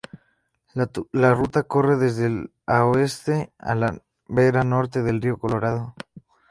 La ruta corre de este a oeste a la vera norte del Río Colorado.